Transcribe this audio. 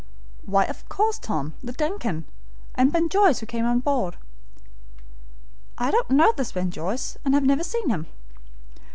"Why, of course, Tom. The DUNCAN, and Ben Joyce, who came on board." "I don't know this Ben Joyce, and have never seen him."